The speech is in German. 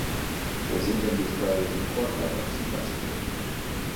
Wo sind denn die steuerlichen Vorteile, zum Beispiel?